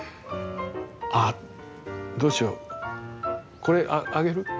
あっどうしようこれあげる？